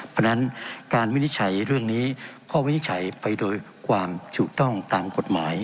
เพราะฉะนั้นการวินิจฉัยเรื่องนี้ข้อวินิจฉัยไปโดยความถูกต้องตามกฎหมาย